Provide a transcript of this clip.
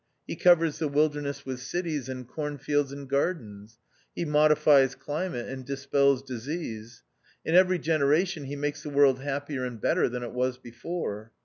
He covers the wilderness with cities, and cornfields, and gardens. He modifies climate and dispels disease. In every generation he makes the world happier and better than it was before.